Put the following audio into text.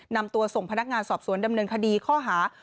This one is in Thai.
นำตัวส่งพนักงานสอบสวนดำเนินคดีข้อหา